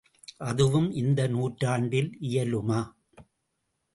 அதுவும் இந்த நூற்றாண்டில் இயலுமா?